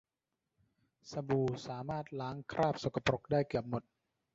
สบู่สามารถล้างคราบสกปรกได้เกือบหมด